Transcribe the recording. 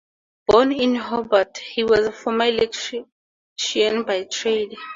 Born in Hobart, he was a former electrician by trade.